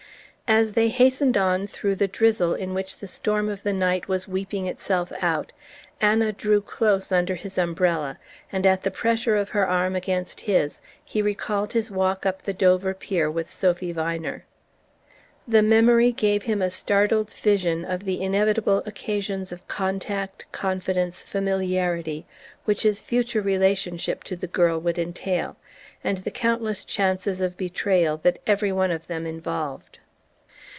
As they hastened on through the drizzle in which the storm of the night was weeping itself out, Anna drew close under his umbrella, and at the pressure of her arm against his he recalled his walk up the Dover pier with Sophy Viner. The memory gave him a startled vision of the inevitable occasions of contact, confidence, familiarity, which his future relationship to the girl would entail, and the countless chances of betrayal that every one of them involved.